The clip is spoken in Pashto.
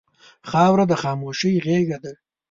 خاوره د خاموشۍ غېږه ده.